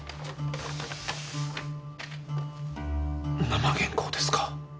生原稿ですか！